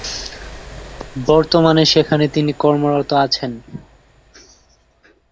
বর্তমানে সেখানে তিনি কর্মরত আছেন।